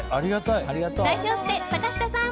代表して、坂下さん！